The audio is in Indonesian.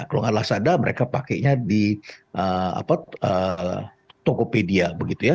kalau nggak lazada mereka pakainya di tokopedia